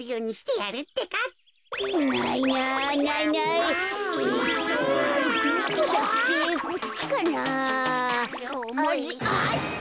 あった！